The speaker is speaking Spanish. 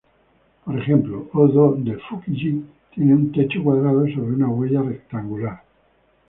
Por ejemplo, Ō-Dō de Fuki-ji tiene un techo cuadrado sobre una huella rectangular.